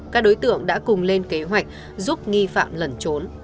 các đối tượng đã cùng lên kế hoạch giúp nghi phạm lẩn trốn